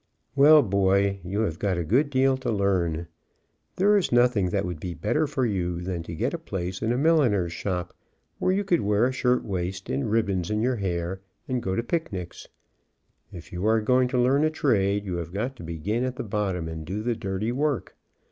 Well, boy, you have got a good deal to learn. There is nothing that would be better for you than to get a Shagging firkins of butter. place in a milliner's shop, where you could wear a shirt waist and ribbons in your hair, and go to pic nics. If you are going to learn a trade you have got to begin at the bottom, and do the dirty work.